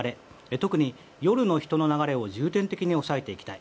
特に夜の人の流れを重点的に抑えていきたい。